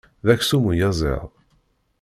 D aksum uyaziḍ.